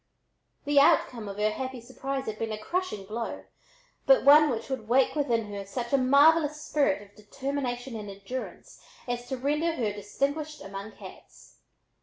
The outcome of her "happy surprise" had been a crushing blow, but one which would wake within her such a marvelous spirit of determination and endurance as to render her distinguished among cats.